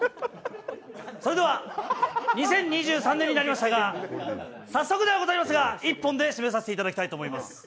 それでは２０２３年になりましたが、早速ではございますが一本で締めさせていただきます。